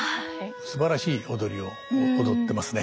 すばらしい踊りを踊ってますね